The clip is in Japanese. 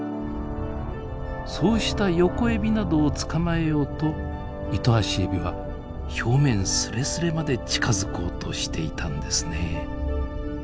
そうしたヨコエビなどを捕まえようとイトアシエビは表面すれすれまで近づこうとしていたんですね。